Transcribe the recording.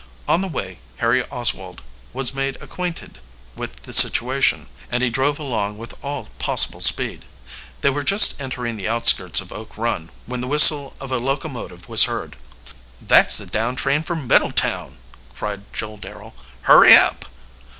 On the way Harry Oswald was made acquainted with the situation, and he drove along with all possible speed. They were just entering the outskirts of Oak Run when the whistle of a locomotive was heard. "That's the down train for Middletown," cried Joel Darrel. "Hurry up!"